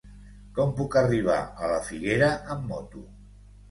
Com puc arribar a la Figuera amb moto?